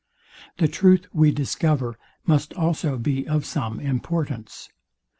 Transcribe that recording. The truth we discover must also be of some importance.